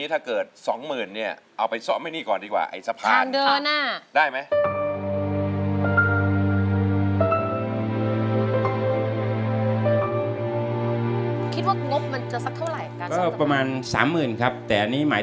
เพลงที่สามมูลค่าประอบสี่หมื่นบาท